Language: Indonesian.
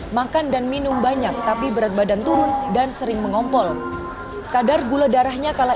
makan dan minum banyak tapi berat badan turun dan sering mengompol kadar gula darahnya kalah